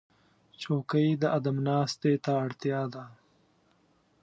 چوکۍ د ادب ناستې ته اړتیا ده.